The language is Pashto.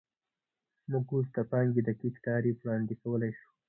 موږ اوس د پانګې دقیق تعریف وړاندې کولی شو